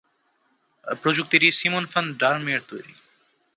প্রযুক্তিটি Simon van der মিয়ার তৈরি।